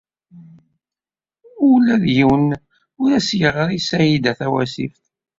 Ula d yiwen ur as-d-yeɣri i Saɛida Tawasift.